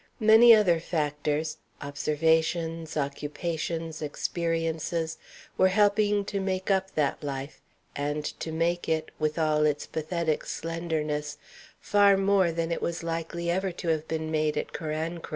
Many other factors observations, occupations, experiences were helping to make up that life, and to make it, with all its pathetic slenderness, far more than it was likely ever to have been made at Carancro.